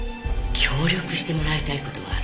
協力してもらいたい事があるの。